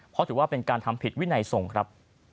เพราะถือว่าเป็นการทำผิดวินัยส่งครับ